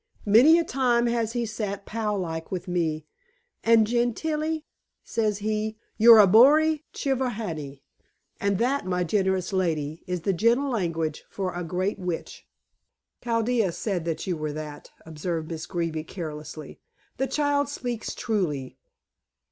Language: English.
Many a time has he sat pal like with me, and 'Gentilla,' says he, 'your're a bori chovihani'; and that, my generous lady, is the gentle language for a great witch." "Chaldea said that you were that," observed Miss Greeby carelessly. "The child speaks truly.